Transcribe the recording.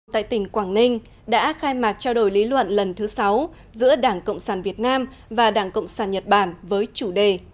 tại tỉnh quảng ninh đã khai mạc trao đổi lý luận lần thứ sáu giữa đảng cộng sản việt nam và đảng cộng sản nhật bản với chủ đề